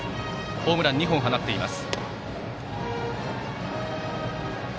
ホームラン２本放っています。